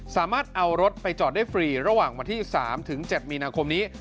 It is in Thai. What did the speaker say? สามารถเอารถไปจอดได้ฟรีระหว่างวันที่๓๗มีนาคมนี้